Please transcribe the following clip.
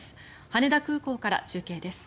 羽田空港から中継です。